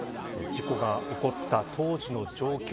事故が起こった当時の状況